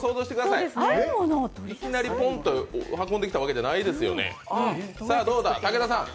いきなりポンと運んできたわけじゃないですよね。